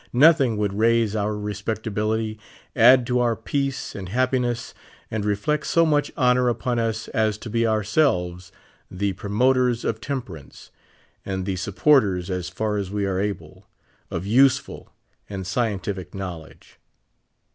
Noth ing would raise our respectability, add to our peace and happiness, and reflect so much honor upon us, as to be ourselves the promoters of temperance, and the sup porters, as far as we are able, of useful and scientific knowledge.